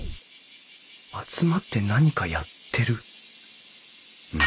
集まって何かやってる？